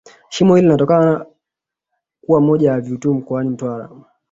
Shimo hili linalotajwa kuwa moja ya vivutio mkoani Mtwara